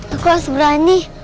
aku harus berani